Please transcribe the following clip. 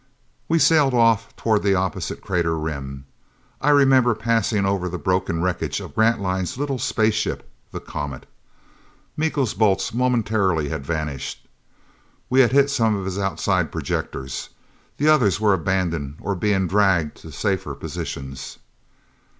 We sailed off toward the opposite crater rim. I remember passing over the broken wreckage of Grantline's little spaceship, the Comet. Miko's bolts momentarily had vanished. We had hit some of his outside projectors; the others were abandoned, or being dragged to safer positions.